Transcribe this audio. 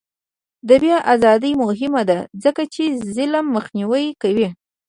د بیان ازادي مهمه ده ځکه چې ظلم مخنیوی کوي.